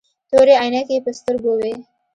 تورې عينکې يې په سترګو وې.